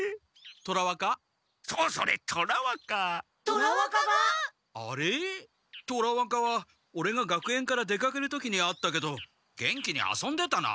虎若はオレが学園から出かける時に会ったけど元気に遊んでたなあ。